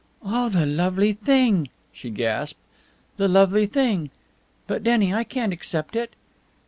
"Oh, the lovely thing!" she gasped. "The lovely thing! But, Denny, I can't accept it!"